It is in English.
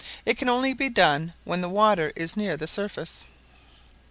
It can only be done when the water is near the surface.